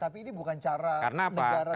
tapi ini bukan cara negara dalam membuka